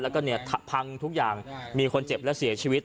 แล้วก็เนี่ยพังทุกอย่างมีคนเจ็บและเสียชีวิต